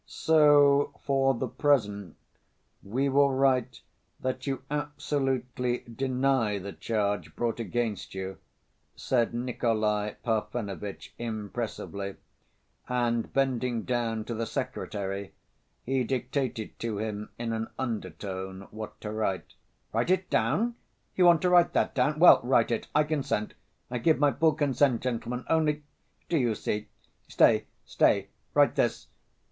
"So, for the present, we will write that you absolutely deny the charge brought against you," said Nikolay Parfenovitch, impressively, and bending down to the secretary he dictated to him in an undertone what to write. "Write it down? You want to write that down? Well, write it; I consent, I give my full consent, gentlemen, only ... do you see?... Stay, stay, write this.